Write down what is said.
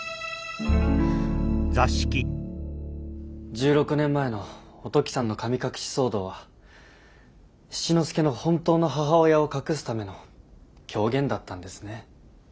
１６年前のおトキさんの神隠し騒動は七之助の本当の母親を隠すための狂言だったんですね。